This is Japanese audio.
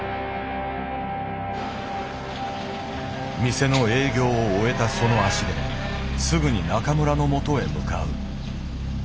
店の営業を終えたその足ですぐに中村のもとへ向かう。